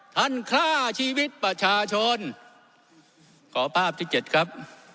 ฆ่าชีวิตประชาชนขอภาพที่เจ็ดครับ